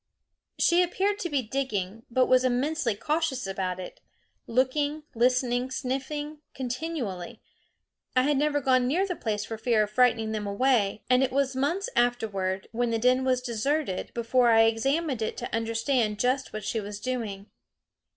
She appeared to be digging, but was immensely cautious about it, looking, listening, sniffing continually. I had never gone near the place for fear of frightening them away; and it was months afterward, when the den was deserted, before I examined it to understand just what she was doing.